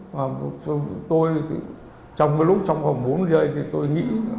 và tôi trong cái lúc trong khoảng bốn mươi giây thì tôi nghĩ